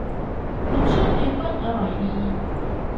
น้ำเชื่อมเมเปิลอร่อยดี